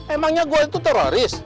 emangnya gua itu teroris